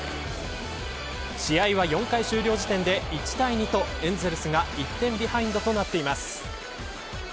試合は４回終了時点で１対２とエンゼルスが１点ビハインドになっています。